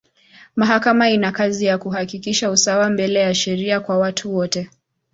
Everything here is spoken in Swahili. Mahakama ina kazi ya kuhakikisha usawa mbele ya sheria kwa watu wote.